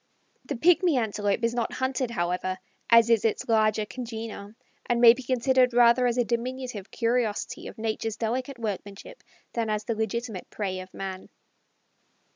The Pigmy Antelope is not hunted, however, as is its larger congener, and may be considered rather as a diminutive curiosity of Natures' delicate workmanship than as the legitimate prey of man.